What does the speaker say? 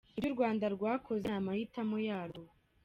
‘Ibyo u Rwanda rwakoze ni amahitamo yarwo’